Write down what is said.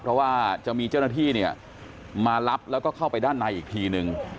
เพราะว่าจะมีเจ้าหน้าที่เนี่ยมารับแล้วก็เข้าไปด้านในอีกทีนึง